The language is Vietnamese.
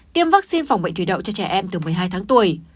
kiêm vắc xin phòng bệnh thủy đậu cho trẻ em từ một mươi hai tháng tuổi